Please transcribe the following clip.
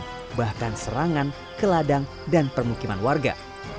sehingga terjadi gangguan bahkan serangan ke ladang dan permukiman warga